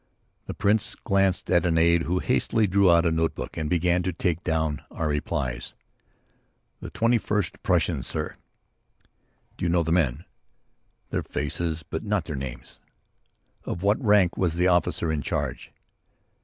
The Prince glanced at an aide, who hastily drew out a notebook and began to take down our replies. "The 21st Prussians, sir." "Do you know the men?" "Their faces but not their names." "Of what rank was the officer in charge?"